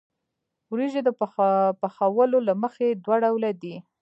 وریجې د پخولو له مخې دوه ډوله دي.